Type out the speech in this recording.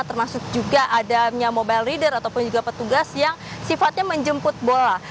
termasuk juga adanya mobile leader ataupun juga petugas yang sifatnya menjemput bola